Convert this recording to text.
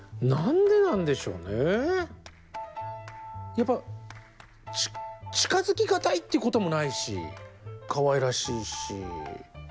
やっぱ近づきがたいということもないしかわいらしいし。